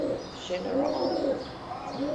Sin a raibh ann.